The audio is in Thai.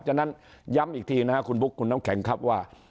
ฉะนั้นย้ำอีกทีนะครับคุณบุ๊คคุณน้ำแข็งครับว่า